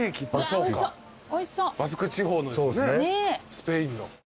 バスク地方のですもんねスペインの。